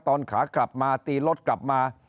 ขากลับมาตีรถกลับมา